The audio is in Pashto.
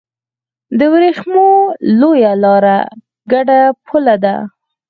د ورېښمو لویه لار ګډه پوله ده.